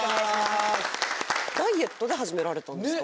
ダイエットで始められたんですか？